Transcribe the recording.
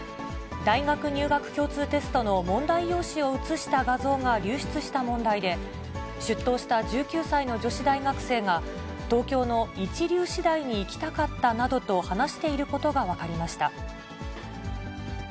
大学入学共通テストの問題用紙を写した画像が流出した問題で、出頭した１９歳の女子大学生が、東京の一流私大に行きたかったなどと話していることが分かりました。